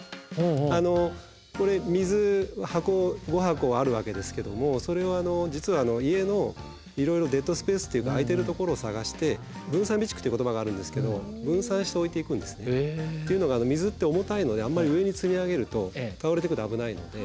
これ水の箱５箱あるわけですけどもそれを実は家のいろいろデッドスペースというか空いてるところを探して分散備蓄という言葉があるんですけど分散して置いていくんですね。というのが水って重たいのであんまり上に積み上げると倒れてくると危ないので。